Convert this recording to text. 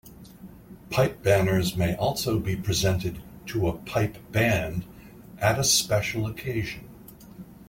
Pipe banners may also be presented to a pipe band at a special occasion.